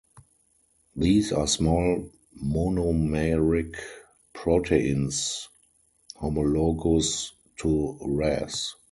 These are small monomeric proteins homologous to Ras.